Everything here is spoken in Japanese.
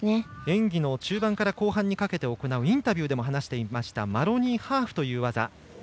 演技の中盤から後半にかけてのインタビューでも話していましたマロニーハーフという技。